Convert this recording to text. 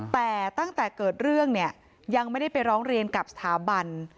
แต่ตั้งแต่เกิดเรื่องเนี่ยยังไม่ได้ไปร้องเรียนกับสถาบัน